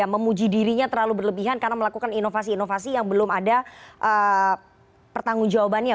memuji dirinya terlalu berlebihan karena melakukan inovasi inovasi yang belum ada pertanggung jawabannya